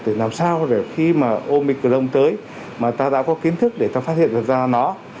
để làm sao để khi mà omicron tới mà ta đã có kiến thức để ta phát hiện được ra nó